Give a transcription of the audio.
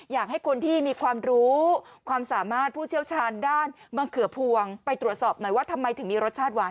อยากให้คนที่มีความรู้ความสามารถผู้เชี่ยวชาญด้านมะเขือพวงไปตรวจสอบหน่อยว่าทำไมถึงมีรสชาติหวาน